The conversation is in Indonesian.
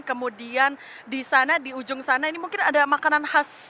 kemudian di sana di ujung sana ini mungkin ada makanan khas